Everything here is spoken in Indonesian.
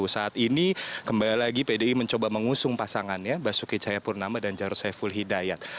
saat ini kembali lagi pdi mencoba mengusung pasangannya basuki cahayapurnama dan jarod saiful hidayat